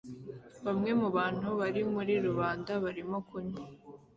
bamwe mubantu bari muri rubanda barimo kunywa